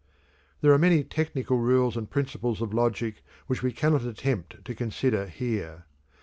There are many technical rules and principles of logic which we cannot attempt to consider here.